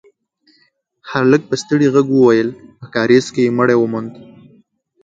هلک په ستړي غږ وويل: په کارېز کې يې مړی وموند.